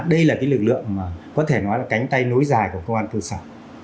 đây là lực lượng có thể nói là cánh tay nối dài của công an cơ sở